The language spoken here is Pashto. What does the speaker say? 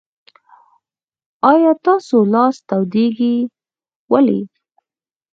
آیا ستاسو لاس تودیږي؟ ولې؟